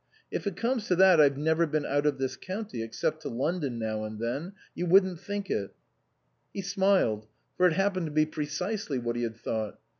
" If it comes to that I've never been out of this county, except to London now and then. You wouldn't think it." He smiled, for it happened to be precisely what he had thought.